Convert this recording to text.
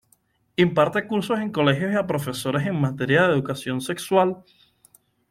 Imparte cursos en colegios y a profesores en materia de educación sexual.